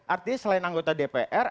artinya selain anggota dpr